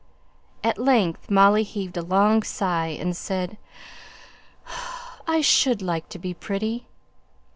At length, Molly heaved a long sigh, and said, "I should like to be pretty!"